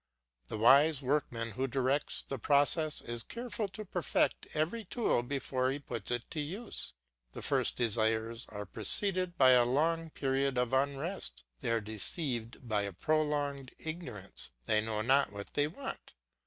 The wise workman who directs the process is careful to perfect every tool before he puts it to use; the first desires are preceded by a long period of unrest, they are deceived by a prolonged ignorance, they know not what they want.